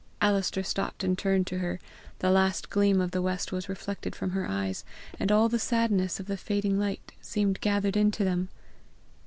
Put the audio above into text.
Alister stopped and turned to her. The last gleam of the west was reflected from her eyes, and all the sadness of the fading light seemed gathered into them.